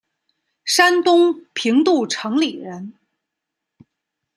山东平度城里人。